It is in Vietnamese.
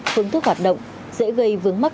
phương thức hoạt động sẽ gây vướng mắt